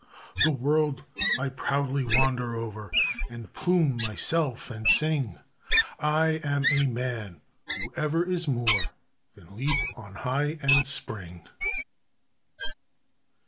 The world I proudly wander o'er, And plume myself and sing I am a man! Whoe'er is more? Then leap on high, and spring!